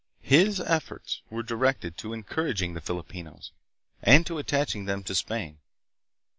His efforts were directed to encouraging the Filipinos and to attaching them to Spain.